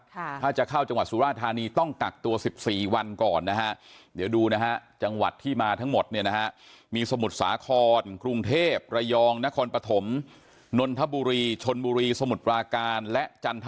ถ้าจะเข้าจังหวัดสุราธานีต้องกักตัว๑๔วันก่อนนะฮะ